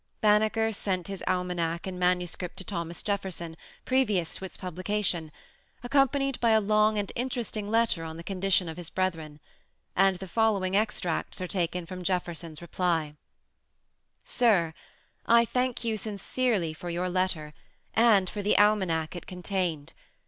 Bannaker sent his Almanac in manuscript to Thomas Jefferson, previous to its publication, accompanied by a long and interesting letter on the condition of his brethren; and the following extracts are taken from Jefferson's reply: "Sir, I thank you sincerely for your letter, and for the Almanac it contained.